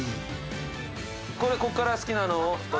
これこっから好きなのを取って。